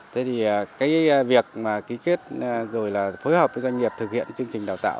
thế thì việc ký kết rồi phối hợp với doanh nghiệp thực hiện chương trình đào tạo